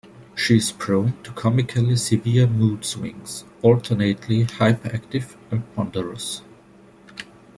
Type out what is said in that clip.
She is prone to comically severe mood swings, alternately hyperactive and ponderous.